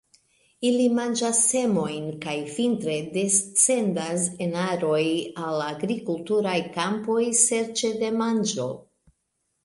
Ili manĝas semojn, kaj vintre descendas en aroj al agrikulturaj kampoj serĉe de manĝo.